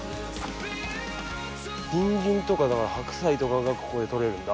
ニンジンとかが白菜とかがここで取れるんだ。